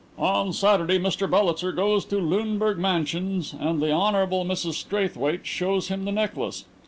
"On Saturday Mr Bellitzer goes to Luneburg Mansions and the Hon. Mrs Straithwaite shows him the necklace.